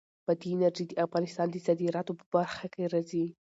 بادي انرژي د افغانستان د صادراتو په برخه کې راځي.